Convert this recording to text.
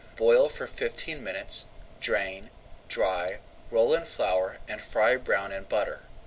Boil for fifteen minutes, drain, dry, roll in flour and fry brown in butter.